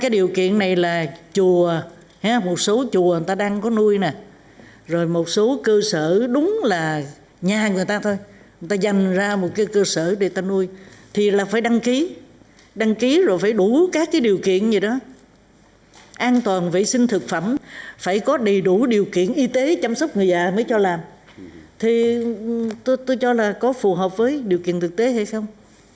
điều kiện y tế chăm sóc người già mới cho làm tôi cho là có phù hợp với điều kiện thực tế hay không